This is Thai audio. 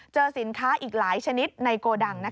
สินค้าอีกหลายชนิดในโกดัง